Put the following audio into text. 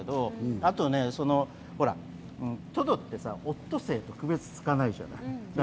あと、トドってオットセイと区別がつかないじゃないですか。